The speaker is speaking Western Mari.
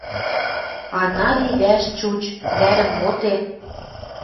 Ана ли вӓш чуч — вӓрӹм моде